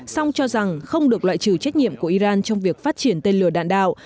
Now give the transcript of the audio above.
song cho rằng không được loại trừ trách nhiệm của iran trong việc phát triển tên lửa đạn đạo